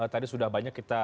tadi sudah banyak kita